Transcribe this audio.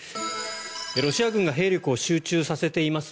ロシア軍が兵力を集中させています